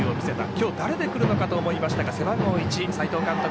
今日誰でくるのかと思いましたが背番号１、斎藤監督